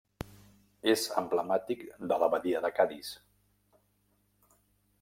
És emblemàtic de la badia de Cadis.